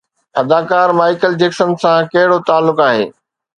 اداڪار Michael Jackson سان ڪهڙو تعلق آهي؟